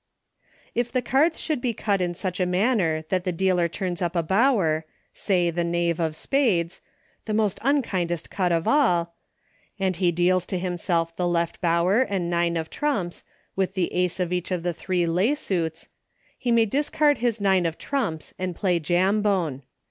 If the cards should be cut in such a manner that the dealer turns up a Bower, say the Knave of spades —" the most unkindest cut of all," — and he deals to himself the Left Bower and nine of trumps, with the Ace of each of the three lay suits, he may discard his nine of trumps and play Jambone.